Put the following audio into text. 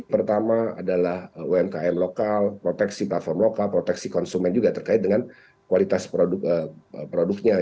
pertama adalah umkm lokal proteksi platform lokal proteksi konsumen juga terkait dengan kualitas produknya